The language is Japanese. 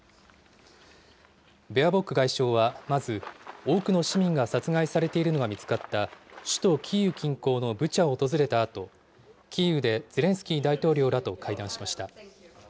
ベアボック外相はまず、多くの市民が殺害されているのが見つかった首都キーウ近郊のブチャを訪れたあと、キーウでゼレンスキー大統領らと会談しました。